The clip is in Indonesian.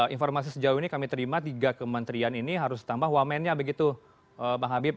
informasi sejauh ini kami terima tiga kementerian ini harus ditambah wamennya begitu bang habib